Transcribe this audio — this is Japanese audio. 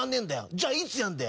じゃあいつやんだよ？